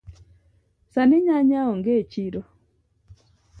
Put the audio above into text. Sani nyanya onge echiro.